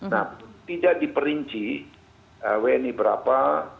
nah tidak diperinci wni berapa